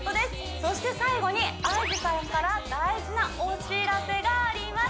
そして最後にＩＧさんから大事なお知らせがあります